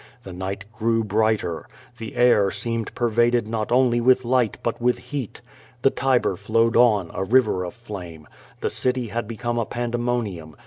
The night grew brighter. The air seemed per vaded not only with light but with heat. The Tiber flowed on, a river of flame. The city had become a pandemonium.